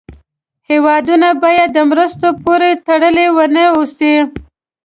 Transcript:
هېوادونه باید د مرستو پورې تړلې و نه اوسي.